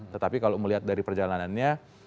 tetapi kalau melihat dari perjalanannya